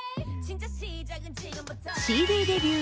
ＣＤデビュー